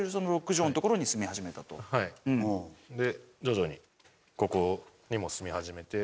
で徐々にここにも住み始めて。